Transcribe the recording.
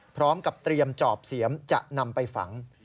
พร้อมกับเตรียมจอบเสียมจะนำไปฝัง